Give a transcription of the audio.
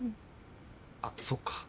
あそっか。